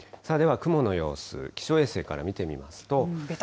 雲の様子、気象衛星から見てみますと。